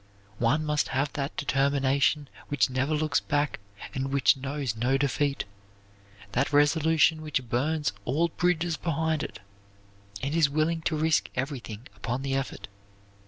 One must have that determination which never looks back and which knows no defeat; that resolution which burns all bridges behind it and is willing to risk everything upon the effort.